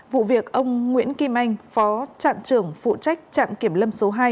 vụ việc ông nguyễn kim anh phó trạm trưởng phụ trách trạm kiểm lâm số hai